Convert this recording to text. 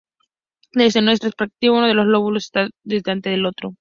Desde nuestra perspectiva, uno de los lóbulos está delante del otro.